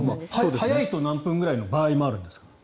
早いと何分ぐらいの場合もあるんですか？